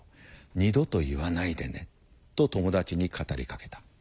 二度と言わないでね」と友達に語りかけた。